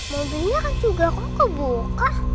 mobilnya kan juga kok kebuka